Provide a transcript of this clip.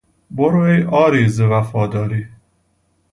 برو ای عاری ز وفاداری...